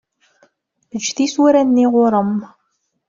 Ejj tisura-nni ɣur-m.